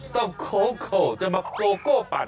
ต้องโคโก้จะมาโคโก้ปัน